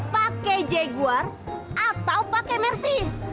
pakai jaguar atau pakai mersi